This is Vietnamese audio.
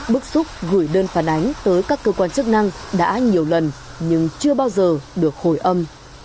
bức xúc gửi đơn phản ánh tới các cơ quan chức năng đã nhiều lần nhưng chưa bao giờ được hồi âm